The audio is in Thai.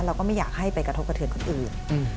เราก็ไม่อยากให้ไปกระทบกระเทือนคนอื่น